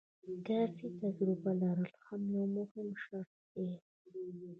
کافي تجربه لرل هم یو مهم شرط دی.